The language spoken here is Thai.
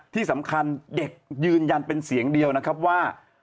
ที่สำคัญเด็กยืนยันเป็นเสียงเดียวนะครับว่า